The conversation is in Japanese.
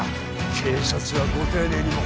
警察はご丁寧にも